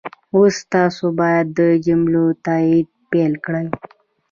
اوس تاسو باید د جملو تایید پيل کړئ.